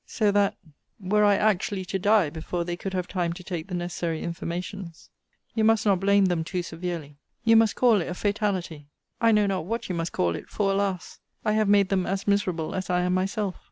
So that, were I actually to die before they could have time to take the necessary informations, you must not blame them too severely. You must call it a fatality. I know not what you must call it: for, alas! I have made them as miserable as I am myself.